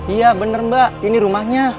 iya benar mbak ini rumahnya